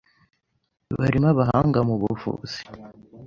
barimo abahanga mu buvuzi,